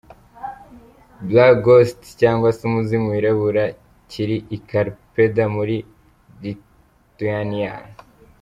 Black Ghost” cyangwa se Umuzimu wirabura kiri i Klaipeda muri Lithuania.